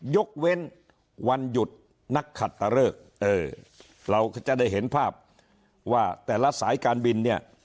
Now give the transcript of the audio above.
ยกเว้นวันหยุดนักขัดตะเริกเออเราก็จะได้เห็นภาพว่าแต่ละสายการบินเนี่ย